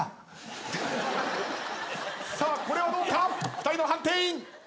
さあこれはどうか⁉２人の判定員！